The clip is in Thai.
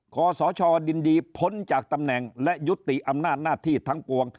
ขอสชดินดีพ้นจากตำแหน่งและยุติอำนาจหน้าที่ทั้งปวง